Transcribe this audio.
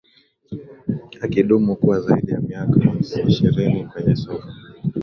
akidumu kwa zaidi ya miaka ishirini kwenye soka